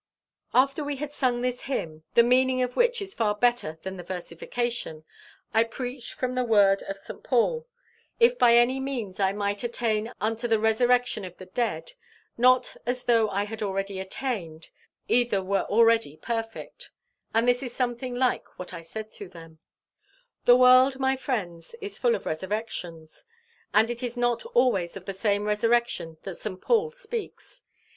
After we had sung this hymn, the meaning of which is far better than the versification, I preached from the words of St. Paul, "If by any means I might attain unto the resurrection of the dead. Not as though I had already attained, either were already perfect." And this is something like what I said to them: "The world, my friends, is full of resurrections, and it is not always of the same resurrection that St. Paul speaks.